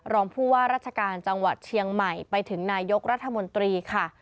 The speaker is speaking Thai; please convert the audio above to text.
รองผู้ว่าราชการจังหวัดเชียงใหม่ไปถึงนายกรัฐมนตรีค่ะ